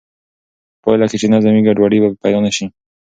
په پایله کې چې نظم وي، ګډوډي به پیدا نه شي.